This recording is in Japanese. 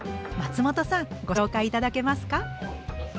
松本さんご紹介頂けますか？